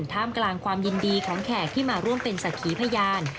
ท่ามกลางความยินดีของแขกที่มาร่วมเป็นศักดิ์ขีพยาน